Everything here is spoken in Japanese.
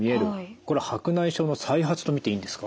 これ白内障の再発と見ていいんですか？